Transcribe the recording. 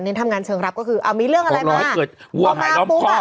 เน้นทำงานเชิงรับก็คืออ้าวมีเรื่องอะไรมา